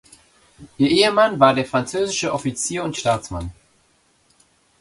Ihr Ehemann war der französische Offizier und Staatsmann.